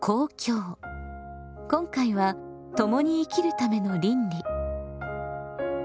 今回は「共に生きるための倫理」。